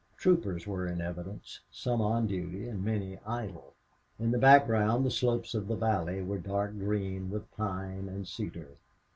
Troopers were in evidence, some on duty and many idle. In the background, the slopes of the valley were dark green with pine and cedar.